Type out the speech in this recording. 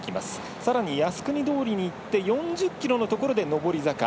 さらに靖国通りにいって４０ｋｍのところで上り坂。